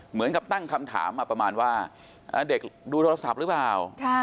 เหมือนกับตั้งคำถามมาประมาณว่าเด็กดูโทรศัพท์หรือเปล่า